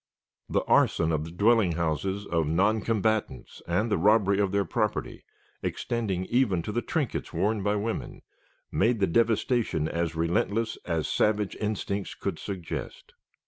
The arson of the dwelling houses of non combatants and the robbery of their property, extending even to the trinkets worn by women, made the devastation as relentless as savage instincts could suggest.